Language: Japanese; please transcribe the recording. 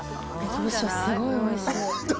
どうしよう、すごいおいしい。